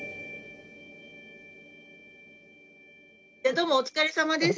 どうもお疲れさまです。